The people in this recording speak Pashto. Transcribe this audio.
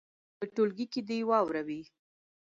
په ټولګي کې دې یې واوروي.